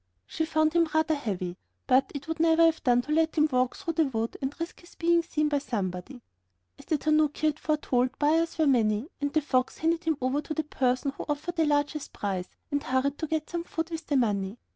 She found him rather heavy, but it would never have done to let him walk through the wood and risk his being seen by somebody. As the tanaki had foretold, buyers were many, and the fox handed him over to the person who offered the largest price, and hurried to get some food with the money.